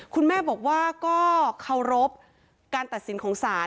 คุณแม่บอกว่าก็เคารพการตัดสินของศาล